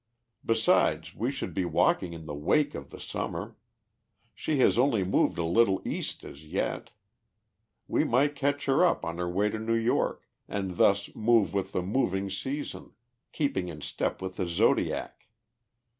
Besides, we should be walking in the wake of the Summer. She has only moved a little East as yet. We might catch her up on her way to New York, and thus move with the moving season, keeping in step with the Zodiac.